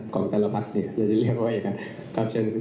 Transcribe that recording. คำถาม